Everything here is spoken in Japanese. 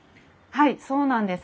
はいそうなんです。